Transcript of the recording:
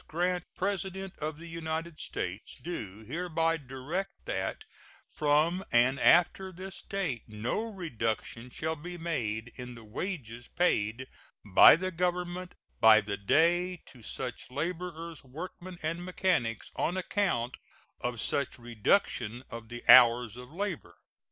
Grant, President of the United States, do hereby direct that from and after this date no reduction shall be made in the wages paid by the Government by the day to such laborers, workmen, and mechanics on account of such reduction of the hours of labor.